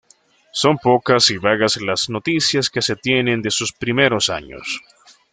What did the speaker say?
Son pocas y vagas las noticias que se tienen de sus primeros años.